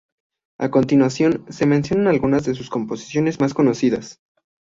A continuación se mencionan algunas de sus composiciones más conocidas.